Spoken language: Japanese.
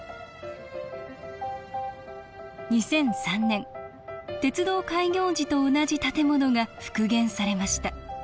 ２００３年鉄道開業時と同じ建物が復元されました。